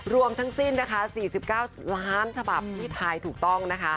รวมทั้งสิ้น๔๙ล้านจบาปที่ไทยถูกต้อง